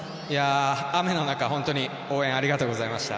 雨の中、本当に応援ありがとうございました。